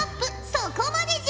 そこまでじゃ！